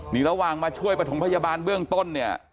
หลังมาช่วยประถงพยาบาลเบื้องต้น